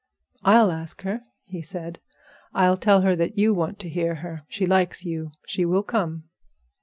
"I'll ask her," he said. "I'll tell her that you want to hear her. She likes you. She will come."